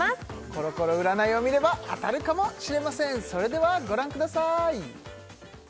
コロコロ占いを見れば当たるかもしれませんそれではご覧ください